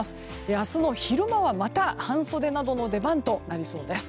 明日の昼間はまた半袖などの出番となりそうです。